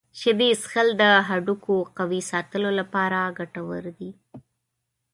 شیدې څښل د هډوکو قوي ساتلو لپاره ګټور دي.